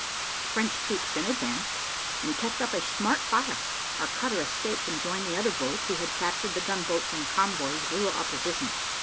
The French troops then advanced, and kept up a smart fire; our cutter escaped, and joined the other boat, who had captured the gun boats and convoy with little opposition.